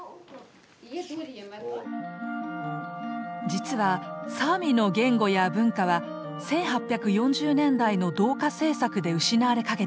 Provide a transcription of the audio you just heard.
実はサーミの言語や文化は１８４０年代の同化政策で失われかけたんだ。